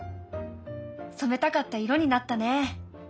そめたかった色になったね。